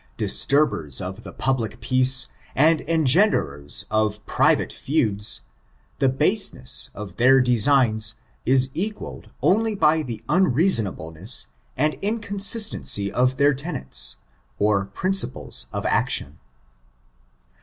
I>istari)er8 cf the public peace, and engenderers of private feuds, the baseness of their designs is equalled only by the tmreasonabl^fiess and inconsistency of their tenets, ot {»rinciides of action.